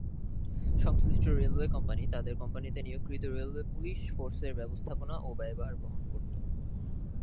সংশ্লিষ্ট railway company তাদের কোম্পানিতে নিয়োগকৃত রেলওয়ে পুলিশ ফোর্সের ব্যবস্থাপনা ও ব্যয়ভার বহন করত।